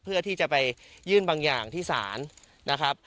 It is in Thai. เพื่อที่จะไปยื่นบางอย่างที่ศาลนะครับ